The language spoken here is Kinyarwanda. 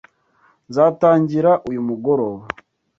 Nzatangira uyu mugoroba.